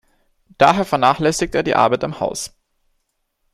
Daher vernachlässigt er die Arbeit am Haus.